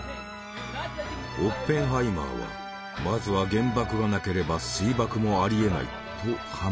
オッペンハイマーはまずは原爆がなければ水爆もありえないと判断していた。